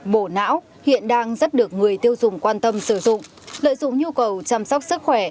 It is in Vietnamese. bổ não hiện đang rất được người tiêu dùng quan tâm sử dụng lợi dụng nhu cầu chăm sóc sức khỏe